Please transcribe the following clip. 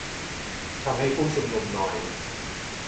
ทำให้ผู้ชุมนุมนอย